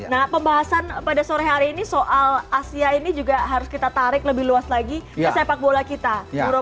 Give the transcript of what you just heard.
nah pembahasan pada sore hari ini soal asia ini juga harus kita tarik lebih luas lagi ke sepak bola kita